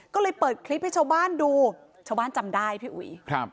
ก็เลยเปิดคลิปให้ชาวบ้านดูชาวบ้านจำได้พี่อุ๋ยครับ